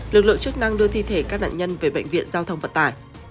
lực lượng chức năng đưa thi thể các nạn nhân về bệnh viện giao thông vận tải